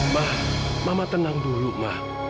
mbah mama tenang dulu mah